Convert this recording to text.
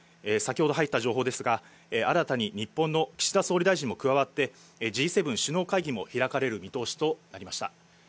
先ほど入った情報ですが新たに日本の岸田総理大臣も加わって、Ｇ７首脳会議も開かれる見通しとなりました。